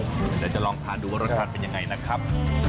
เดี๋ยวจะลองทานดูว่ารสชาติเป็นยังไงนะครับ